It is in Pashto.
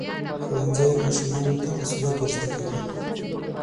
ښوونځی ماشومانو ته مسؤلیت ورزده کوي.